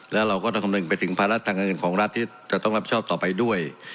แล้วเราก็ต้องคำนึงไปถึงภาระทางเงินของรัฐที่จะต้องรับผิดชอบต่อไปด้วย